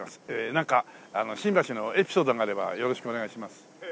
なんか新橋のエピソードがあればよろしくお願いします。